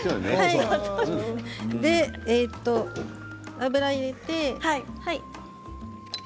油を入れて。